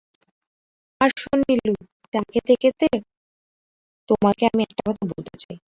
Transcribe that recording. আর শোন নীলু, চা খেতে-খেতে তোমাকে আমি একটা কথা বলতে চাই।